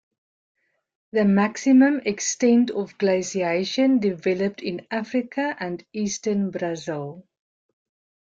The maximum extent of glaciation developed in Africa and eastern Brazil.